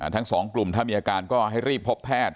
ทั้งสองกลุ่มถ้ามีอาการก็ให้รีบพบแพทย์